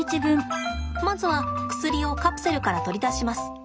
まずは薬をカプセルから取り出します。